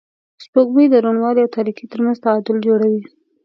سپوږمۍ د روڼوالي او تاریکۍ تر منځ تعادل جوړوي